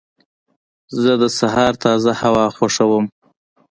زه د سهار تازه هوا خوښوم.